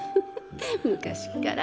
昔っから。